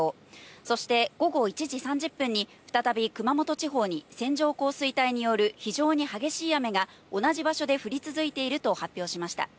そして午後１時３０分に、再び熊本地方に線状降水帯による非常に激しい雨が同じ場所で降り続いていると発表しました。